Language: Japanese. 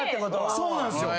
そうなんすよ。